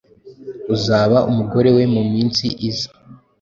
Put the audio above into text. uzaba umugore we muminsi iza.